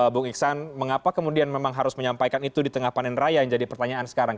bung iksan mengapa kemudian memang harus menyampaikan itu di tengah panen raya yang jadi pertanyaan sekarang